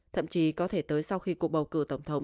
thậm chí có thể tới sau khi cuộc bầu cử tổng thống